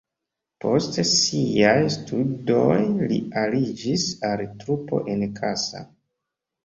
Post siaj studoj li aliĝis al trupo en Kassa.